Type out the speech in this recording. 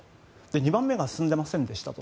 ２番目が進んでいませんでしたと。